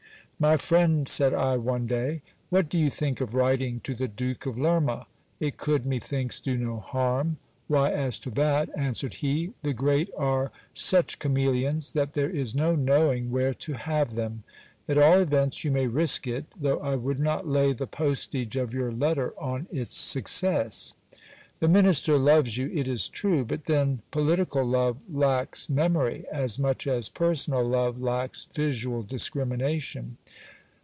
My friend, said I, one day, what do you think of writing to the Duke of Lerma ? It could, methinks, do no harm. Why, as to that, a lswered he, the great are such cameleons, that there is no knowing where to hive them. At all events you may risk it ; though I would not lay the postage o'your letter on its success. The minister loves you, it is true ; but then poli tical love lacks memory, as much as personal love lacks visual discrimination.